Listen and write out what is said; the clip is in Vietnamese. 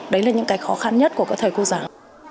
đấy là những cái khó khăn nhất của các thầy cô giáo